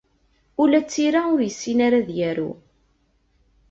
Ula d tira ur yessin ara ad yaru.